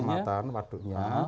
masuk kecamatan waduknya